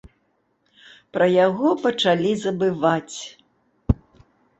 Пра яго пачалі забываць.